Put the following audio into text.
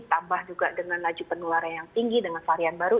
tambah juga dengan laju penularan yang tinggi dengan varian baru